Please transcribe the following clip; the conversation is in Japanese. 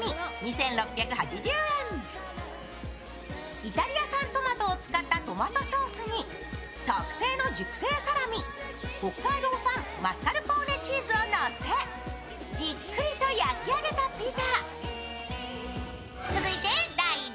イタリア産トマトを使ったトマトソースに特製の熟成サラミ、北海道産マスカルポーネチーズをのせじっくりと焼き上げたピザ。